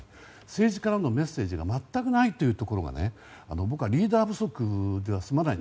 政治家からのメッセージが全くないというところが僕はリーダー不足では済まない。